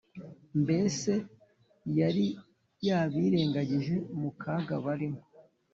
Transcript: mbese yari yabirengagije mu kaga barimo